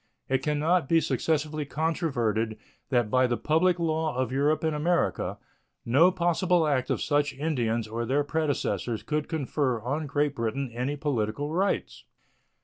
It can not be successfully controverted that by the public law of Europe and America no possible act of such Indians or their predecessors could confer on Great Britain any political rights.